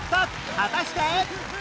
果たして